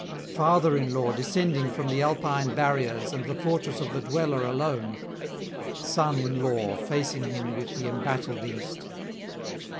father in law descending from the Alpine barriers and the fortress of the Dweller Alone, son in law facing him with the embattled East.